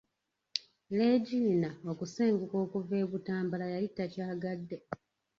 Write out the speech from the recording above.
Leegina okusenguka okuva e Butambala yali takyagadde.